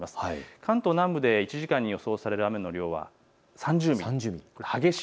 関東南部で１時間に予想される量は３０ミリ。